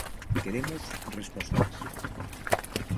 Queremos respostas.